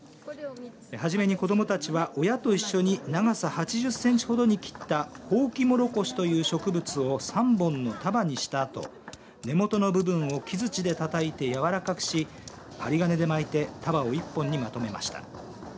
はじめに、子どもたちは親と一緒に長さ８０センチほどに切ったホウキモロコシという植物を３本の束にしたあと根元の部分を木づちでたたいて軟らかくし針金で巻いて束を１本にまとめました。